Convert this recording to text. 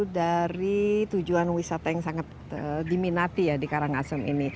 dari tujuan wisata yang sangat diminati ya di karangasem ini